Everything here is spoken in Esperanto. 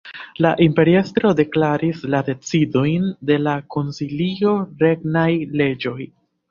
La imperiestro deklaris la decidojn de la koncilio regnaj leĝoj.